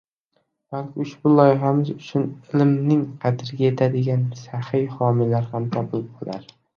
Balki ushbu loyihamiz uchun ilmning qadriga yetadigan saxiy homiylar ham topilib qolar.